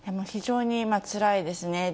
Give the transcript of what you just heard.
非常につらいですね。